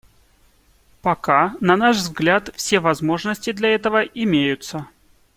Пока, на наш взгляд, все возможности для этого имеются.